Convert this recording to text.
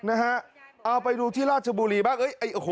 เอาไปดูที่ราชบุรีบ้าง